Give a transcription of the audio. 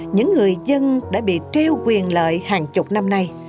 những người dân đã bị treo quyền lợi hàng chục năm nay